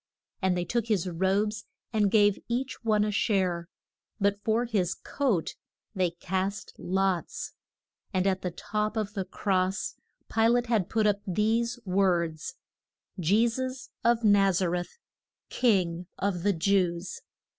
And they took his robes and gave each one a share; but for his coat they cast lots. And at the top of the cross Pi late had put up these words: JE SUS OF NAZ A RETH, KING OF THE JEWS.